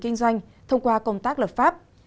kinh doanh thông qua công tác lập pháp